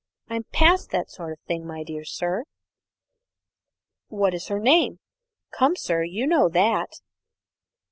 I'm past that sort of thing, my dear sir." "What is her name? Come, sir, you know that."